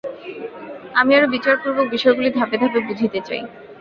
আমি আরও বিচারপূর্বক বিষয়গুলি ধাপে ধাপে বুঝিতে চাই।